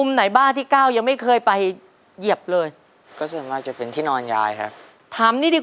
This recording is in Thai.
ไม่ได้แล้วครับก็นี่ไง